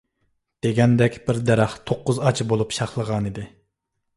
دېگەندەك، بىر دەرەخ توققۇز ئاچا بولۇپ شاخلىغانىدى.